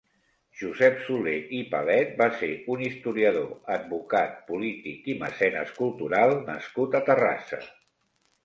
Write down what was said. Josep Soler i Palet va ser un historiador, advocat, polític i mecenes cultural nascut a Terrassa.